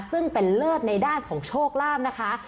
ซึ่งเป็นเลิศในด้านของโชคลาภนะคะ